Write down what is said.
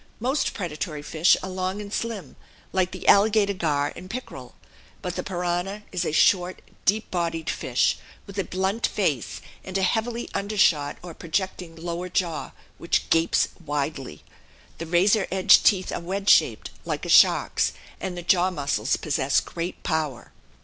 Most predatory fish are long and slim, like the alligator gar and pickerel. But the piranha is a short, deep bodied fish, with a blunt face and a heavily undershot or projecting lower jaw which gapes widely. The razor edged teeth are wedge shaped like a shark's, and the jaw muscles possess great power.